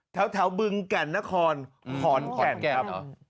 แถวบึงแก่นนครขอนแก่น